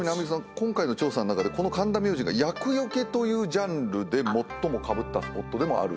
今回の調査の中でこの神田明神が「厄除け」というジャンルで最もかぶったスポットでもあるという。